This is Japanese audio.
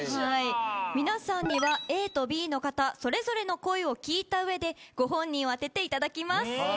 皆さんにはＡとＢの方それぞれの声を聴いた上でご本人を当てていただきます。